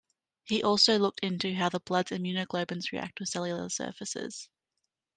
He also looked into how the blood's immunoglobins react with cellular surfaces.